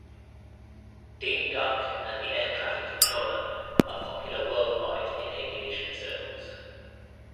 Ding Duck and the Air Traffic Controller are popular worldwide in aviation circles.